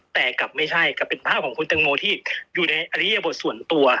แต่กลับไม่ใช่กับเป็นภาพของคุณตังโมที่อยู่ในอริยบทส่วนตัว